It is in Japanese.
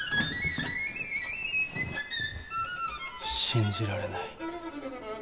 信じられない。